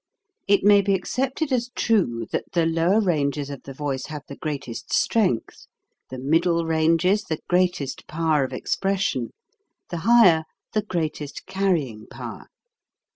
It may be accepted as true that the lower ranges of the voice have the greatest strength, the middle ranges the greatest power of ex pression, the higher the greatest carrying power.